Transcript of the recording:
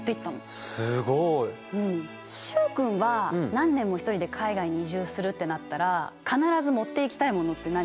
すごい！習君は何年も一人で海外に移住するってなったら必ず持っていきたいものって何？